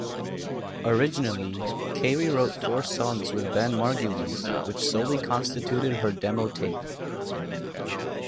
Originally, Carey wrote four songs with Ben Margulies, which solely constituted her demo tape.